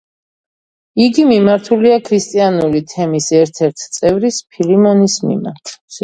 იგი მიმართულია ქრისტიანული თემის ერთ-ერთ წევრის, ფილიმონის მიმართ.